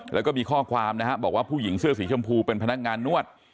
แล้วก็มีข้อความนะฮะบอกว่าผู้หญิงเสื้อสีชมพูเป็นพนักงานนวด